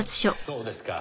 そうですか。